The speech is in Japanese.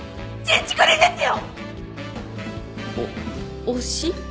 おっ推し？